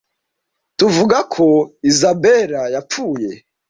Tuvuga ko Isabela yapfuye.